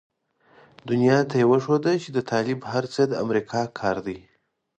دنيا ته يې وښوده چې د طالب هر څه د امريکا کار دی.